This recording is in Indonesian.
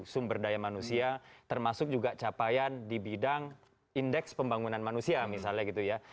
sumber daya manusia termasuk juga capaian di bidang indeks pembangunan manusia misalnya gitu ya